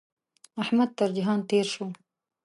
احمد تر جهان تېر شو.